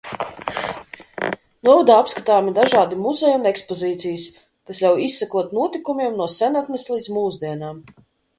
Novadā apskatāmi dažādi muzeji un ekspozīcijas, kas ļauj izsekot notikumiem no senatnes līdz mūsdienām.